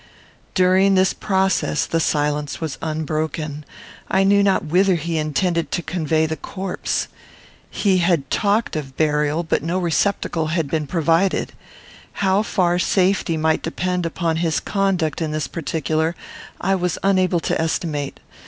During this process, the silence was unbroken. I knew not whither he intended to convey the corpse. He had talked of burial, but no receptacle had been provided. How far safety might depend upon his conduct in this particular, I was unable to estimate.